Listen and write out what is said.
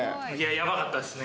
やばかったですね。